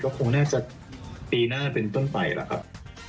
คงน่าจะปีหน้าเป็นต้นไปแล้วครับ